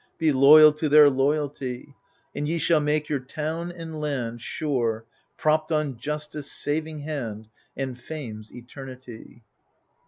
Be loyal to their loyalty. And ye shall make your town and land Sure, propped on Justice' saving hand, And Fame's eternity.